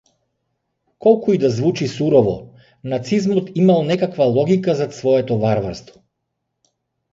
Колку и да е звучи сурово, нацизмот имал некаква логика зад своето варварство.